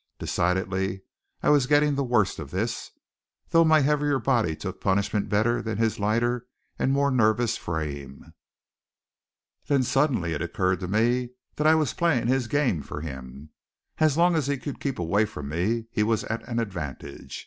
Decidedly I was getting the worst of this; though my heavier body took punishment better than his lighter and more nervous frame. Then suddenly it occurred to me that I was playing his game for him. As long as he could keep away from me, he was at an advantage.